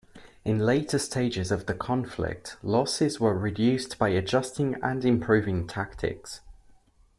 In later stages of the conflict, losses were reduced by adjusting and improving tactics.